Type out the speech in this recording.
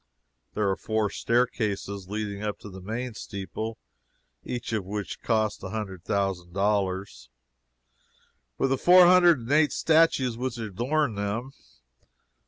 There are four staircases leading up to the main steeple, each of which cost a hundred thousand dollars, with the four hundred and eight statues which adorn them.